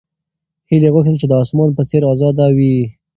هیلې غوښتل چې د اسمان په څېر ازاده وي.